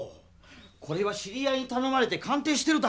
これは知り合いにたのまれて鑑定してるだけなんや！